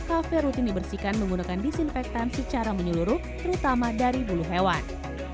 kafe rutin dibersihkan menggunakan disinfektan secara menyeluruh terutama dari bulu hewan